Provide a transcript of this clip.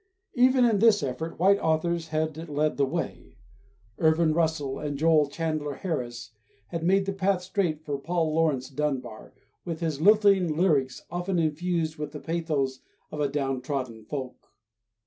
Even in this effort, white authors had led the way; Irvin Russell and Joel Chandler Harris had made the path straight for Paul Laurence Dunbar, with his lilting lyrics, often infused with the pathos of a down trodden folk.